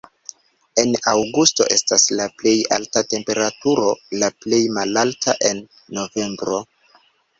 En aŭgusto estas la plej alta temperaturo, la plej malalta en novembro.